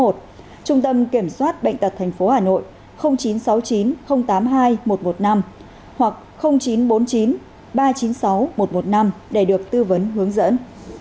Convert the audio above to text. trung tâm kiểm soát bệnh tật tp hà nội chín trăm sáu mươi chín tám mươi hai một trăm một mươi năm hoặc chín trăm bốn mươi chín ba trăm chín mươi sáu một trăm một mươi năm để được tư vấn hướng dẫn